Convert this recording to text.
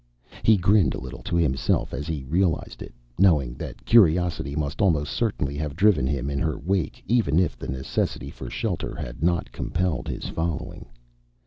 He grinned a little to himself as he realized it, knowing that curiosity must almost certainly have driven him in her wake even if the necessity for shelter had not compelled his following.